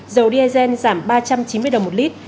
dầu diesel giảm ba trăm chín mươi đồng một lít